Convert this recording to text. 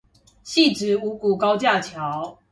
汐止五股高架橋